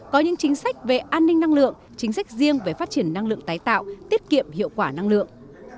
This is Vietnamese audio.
có những chính sách về an ninh năng lượng chính sách riêng về phát triển năng lượng tái tạo tiết kiệm hiệu quả năng lượng